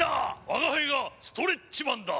我が輩がストレッチマンだ。